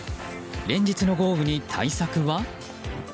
連日の豪雨に対策は？